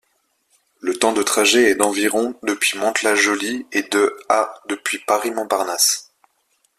Le temps de trajet est d'environ depuis Mantes-la-Jolie et de à depuis Paris-Montparnasse.